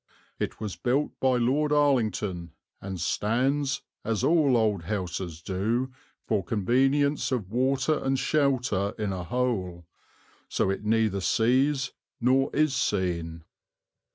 "It was built by Lord Arlington, and stands, as all old houses do, for convenience of water and shelter in a hole; so it neither sees nor is seen."